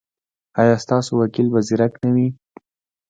ایا ستاسو وکیل به زیرک نه وي؟